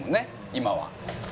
今は。